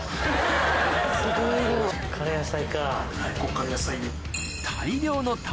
ここから野菜。